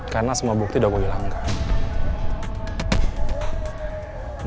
karena semua bukti udah gue hilangkan